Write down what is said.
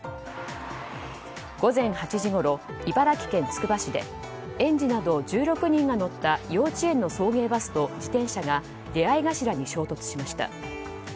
午前８時ごろ茨城県つくば市で園児など１６人が乗った幼稚園の送迎バスと自転車が出合い頭に衝突しました。